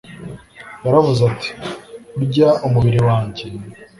Yaravuze ati: "Urya umubiri wanjye,